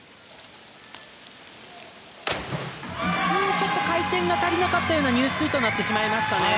ちょっと回転が足りなかったような入水となってしまいましたね。